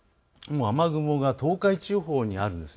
雨雲が東海地方にあるんです。